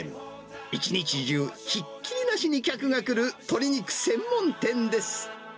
一日中、ひっきりなしに客が来る鶏肉専門店です。